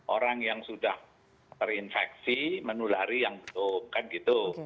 orang yang sudah terinfeksi menulari yang betul kan gitu